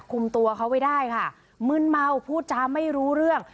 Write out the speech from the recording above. คุมตัวเขาไว้ได้ค่ะมึนเมาพูดจาไม่รู้เรื่อง